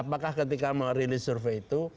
apakah ketika merilis survei itu